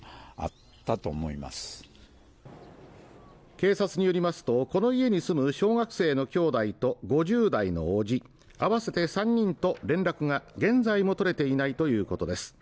警察によりますとこの家に住む小学生の兄弟と５０代のおじ合わせて３人と連絡が現在も取れていないということです